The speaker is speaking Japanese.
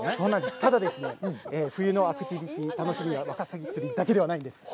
ただ、冬のアクティビティ、楽しみはワカサギ釣りだけではないんです。